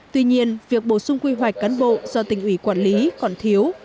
tuy nhiên việc bổ sung quy hoạch cán bộ do tỉnh ủy quản lý còn thiếu